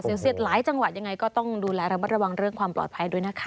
เสียดหลายจังหวัดยังไงก็ต้องดูแลระมัดระวังเรื่องความปลอดภัยด้วยนะคะ